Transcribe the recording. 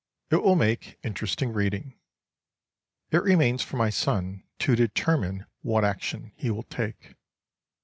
It will make interesting reading. It remains for my son to determine what action he will take.